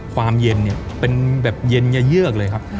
ความเย็นเป็นแบบเย็นเยี่ยอกเลยครับ